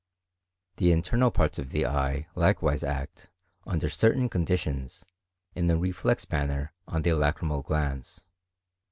The internal parts of the eye likewise act, under certain conditions, in a reflex manner on the lacrymal glands.